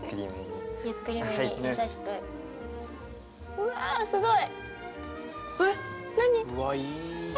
うわあすごい！